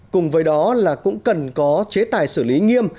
cùng với đó là cũng cần có chế tài xử lý nghiêm